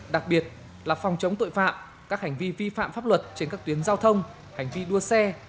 đặc biệt là phòng chống tội phạm các hành vi vi phạm pháp luật trên các tuyến giao thông hành vi đua xe